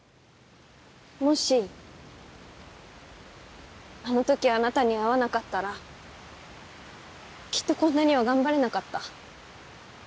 もしあの時あなたに会わなかったらきっとこんなには頑張れなかった。